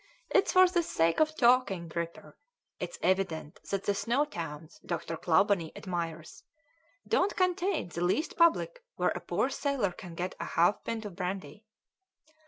"It's for the sake of talking, Gripper; it's evident that the snow towns Dr. Clawbonny admires so don't contain the least public where a poor sailor can get a half pint of brandy."